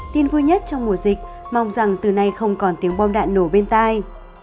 tin vui nhất trong mùa dịch mong rằng từ nay không còn tiếng bom đạn nổ bên tai